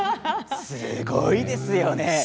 すごいですよね。